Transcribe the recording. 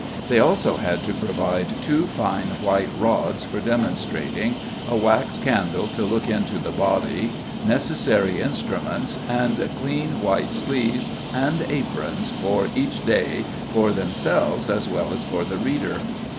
They also had to provide two fine white rods for demonstrating, a wax candle to look into the body, necessary instruments, and clean white sleeves and aprons for each day for themselves as well as for the reader.